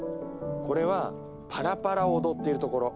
これは「パラパラ」を踊っているところ。